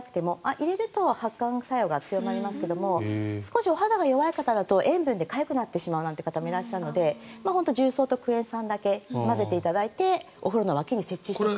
入れると発汗作用が強まりますが少しお肌が弱い方だと、塩分でかゆくなってしまう方もいるので重曹とクエン酸だけ混ぜていただいてお風呂の脇に設置しておく。